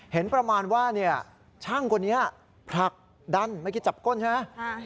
เห็นประมาณว่าช่างคนนี้ผลักดันเมื่อกี้จับก้นใช่ไหม